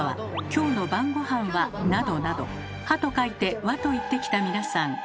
「今日の晩ご飯は」などなど「は」と書いて「わ」といってきた皆さん。